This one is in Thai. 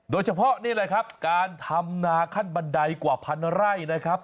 นี่แหละครับการทำนาขั้นบันไดกว่าพันไร่นะครับ